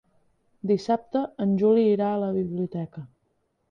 Dissabte en Juli irà a la biblioteca.